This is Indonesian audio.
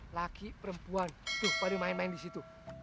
laki perempuan pada main main disitu